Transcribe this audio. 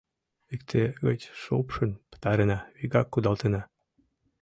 — Икте гыч шупшын пытарена — вигак кудалтена.